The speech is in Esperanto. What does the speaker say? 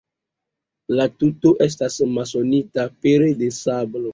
La tuto estas masonita pere de sablo.